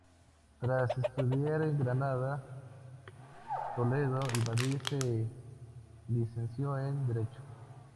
Tras estudiar en Granada, Toledo y Madrid se licenció en Derecho.